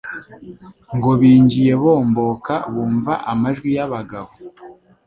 Ngo binjire bomboka bumva amajwi y'abagabo,